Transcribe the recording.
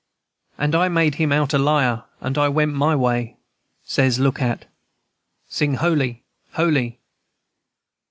And I made him out a liar, and I went my way, Says, look at, &c. Sing holy, holy!